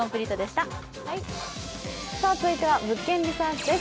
続いては「物件リサーチ」です。